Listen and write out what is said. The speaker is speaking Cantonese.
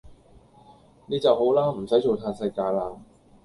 你就好啦！唔駛做嘆世界啦